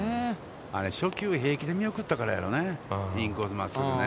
あれ初球平気で見送ったからやろうねインコース真っすぐね。